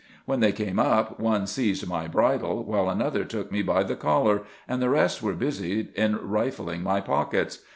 When they came up, one seized my bridle, while another took me by the collar, and the rest were busied in rifling my pockets.